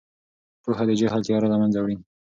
پوهه د جهل تیاره له منځه وړي.